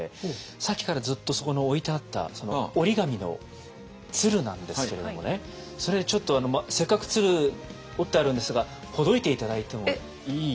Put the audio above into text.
さっきからずっとそこの置いてあったその折り紙の鶴なんですけれどもねそれちょっとせっかく鶴折ってあるんですがほどいて頂いてもいいですか？